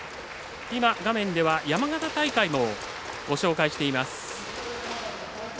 今、画面では山形大会も、ご紹介しています。